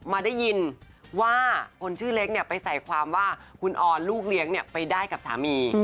มาได้ยินว่าคนชื่อเล็กไปใส่ความว่าคุณออนลูกเลี้ยงไปได้กับสามี